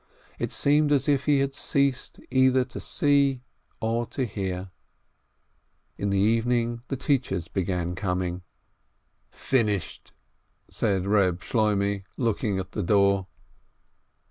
It seemed as if he had ceased either to see or to hear. In the evening the teachers began coming. "Finished !" said Eeb Shloimeh, looking at the door.